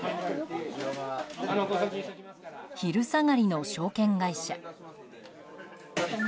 昼下がりの証券会社。